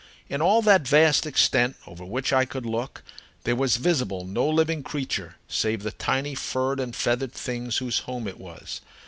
In all that vast extent over which I could look, there was visible no living creature save the tiny furred and feathered things whose home it was.